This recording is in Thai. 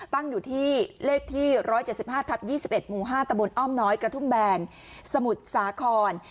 ตั้งอยู่ที่เลขที่๑๗๕ทับ๒๑หมู่๕ตะบนอ้อมน้อยกระทุ่มแบนสมุทรสาคร